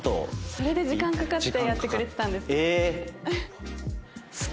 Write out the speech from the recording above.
それで時間かかってやってくれてたんですね。